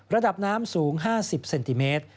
ระดับน้ำสูง๕๐เซนติเมตร